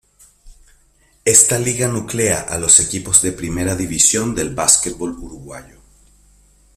Esta liga nuclea a los equipos de Primera División del básquetbol uruguayo.